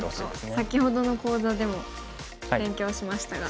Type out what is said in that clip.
あと先ほどの講座でも勉強しましたが。